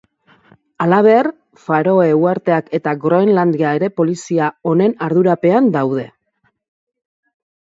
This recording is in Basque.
Halaber, Faroe Uharteak eta Groenlandia ere polizia honen ardurapean daude.